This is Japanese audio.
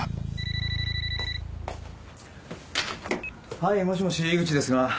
はいもしもし井口ですが。